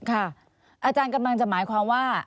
อาจารย์กำลังจะหมายความว่า